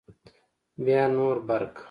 بیا نور برق